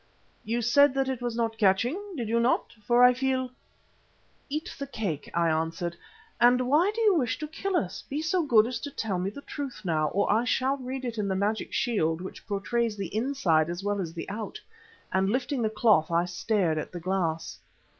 You said that it was not catching, did you not? For I feel " "Eat the cake," I answered. "And why do you wish to kill us? Be so good as to tell me the truth now, or I shall read it in the magic shield which portrays the inside as well as the out," and lifting the cloth I stared at the glass.